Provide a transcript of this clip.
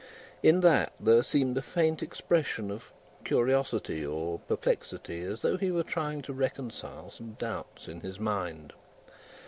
In that, there seemed a faint expression of curiosity or perplexity as though he were trying to reconcile some doubts in his mind.